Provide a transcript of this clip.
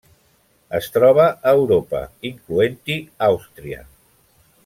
Es troba a Europa, incloent-hi Àustria.